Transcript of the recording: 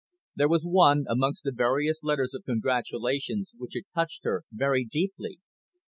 There was one amongst the numerous letters of congratulations which had touched her very deeply.